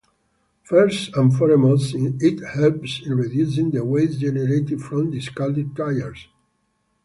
First and foremost, it helps in reducing the waste generated from discarded tires.